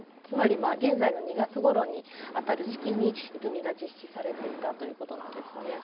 つまり現在の２月ごろにあたる時期に絵踏が実施されていたということなんですね。